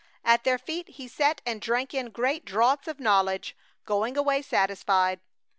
At their feet he sat and drank in great draughts of knowledge, going away satisfied.